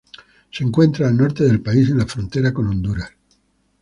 Se encuentra al norte del país, en la frontera con Honduras.